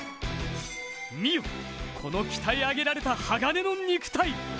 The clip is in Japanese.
見よ、この鍛え上げられた鋼の肉体。